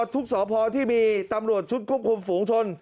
ทุกสอพอที่มีตำรวจชุดกุมภุมภูมิชน